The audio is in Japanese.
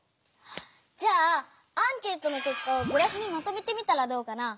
じゃあアンケートのけっかをグラフにまとめてみたらどうかな？